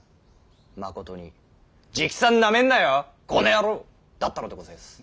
まことに「直参なめんなよこの野郎」だったのでございやす。